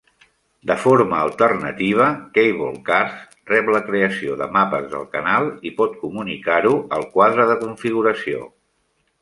De forma alternativa, CableCards rep la creació de mapes del canal i pot comunicar-ho al quadre de configuració.